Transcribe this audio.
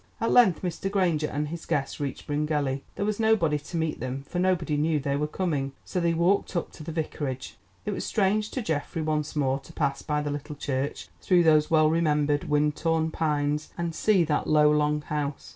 At length Mr. Granger and his guest reached Bryngelly; there was nobody to meet them, for nobody knew that they were coming, so they walked up to the Vicarage. It was strange to Geoffrey once more to pass by the little church through those well remembered, wind torn pines and see that low long house.